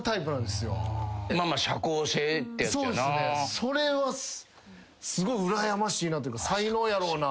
それはすごいうらやましいなというか才能やろうなと思って。